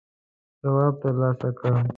ځواب تر لاسه کړ.